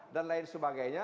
dan lain sebagainya